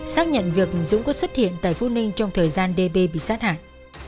xác nhận việc dũng có xuất hiện tại phú ninh trong thời gian db bị sát hại